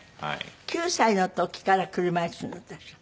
９歳の時から車いすに乗っていらっしゃる？